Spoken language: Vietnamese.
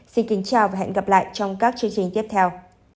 xin kính chào và hẹn gặp lại trong các chương trình tiếp theo